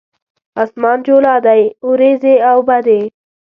اسمان جولا دی اوریځې اوبدي